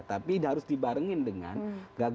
tapi harus dibarengin dengan gagasan dan olahraga